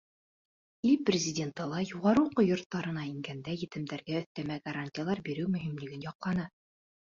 Ил Президенты ла юғары уҡыу йорттарына ингәндә етемдәргә өҫтәмә гарантиялар биреү мөһимлеген яҡланы.